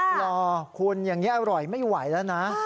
หรอคุณอย่างนี้อร่อยไม่ไหวแล้วนะ